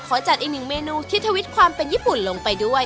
จัดอีกหนึ่งเมนูที่ทวิตความเป็นญี่ปุ่นลงไปด้วย